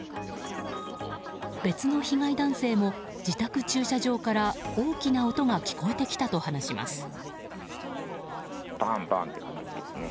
別の被害男性も自宅駐車場から大きな音が聞こえてきたと話します。